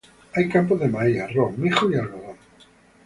Hay campos de maíz, arroz, mijo y algodón.